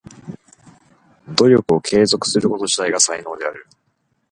努力を継続すること自体が才能である。